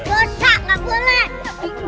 dosa tidak boleh